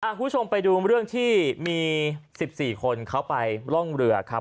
คุณผู้ชมไปดูเรื่องที่มี๑๔คนเขาไปร่องเรือครับ